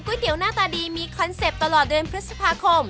เตี๋ยวหน้าตาดีมีคอนเซ็ปต์ตลอดเดือนพฤษภาคม